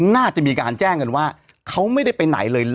น่าจะมีการแจ้งกันว่าเขาไม่ได้ไปไหนเลย